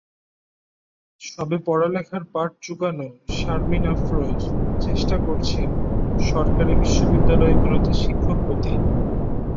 সবে পড়ালেখার পাট চুকানো শারমিন আফরোজ চেষ্টা করছেন সরকারি বিশ্ববিদ্যালয়গুলোতে শিক্ষক হতে।